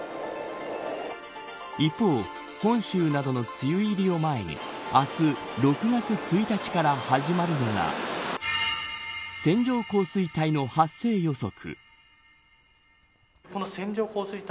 一方、本州などの梅雨入りを前に明日６月１日から始まるのが線状降水帯の発生予測。